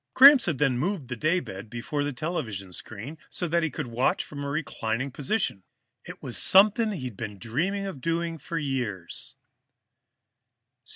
Gramps had then moved the daybed before the television screen, so that he could watch from a reclining position. It was something he'd dreamed of doing for years.